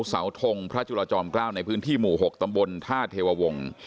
เสาทงพระจุลจอมเกล้าในพื้นที่หมู่๖ตำบลท่าเทววงศ์